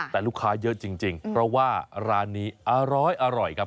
แต่ลูกค้าเยอะจริงเพราะว่าร้านนี้อร้อยครับ